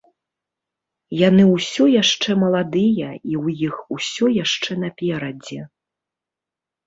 Яны ўсё яшчэ маладыя і ў іх усё яшчэ наперадзе.